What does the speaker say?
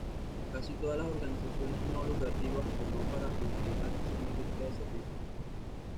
Casi todas las organizaciones no lucrativas o no para utilidad son industrias de servicios.